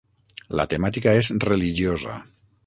La temàtica és religiosa.